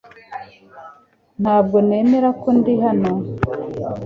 Ntabwo nemera ko ndi hano .